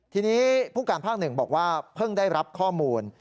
ทีนี้ผู้การภาคหนึ่งบอกว่าเพิ่งได้รับข้อมูล